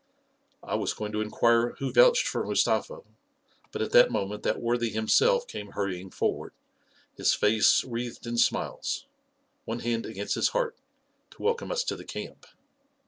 I was going to inquire who vouched for Mustafa, but at that moment that worthy himself came hurry ing forward, his face wreathed in smiles, one hand against his heart, to welcome us to the camp.